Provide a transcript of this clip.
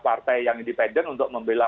partai yang independen untuk membela